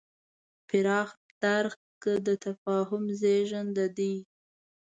پراخ درک د تفاهم زېږنده دی.